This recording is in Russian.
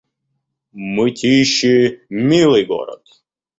Мытищи — милый город